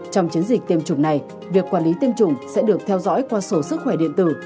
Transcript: trong chiến dịch tiêm chủng này việc quản lý tiêm chủng sẽ được theo dõi qua sổ sức khỏe điện tử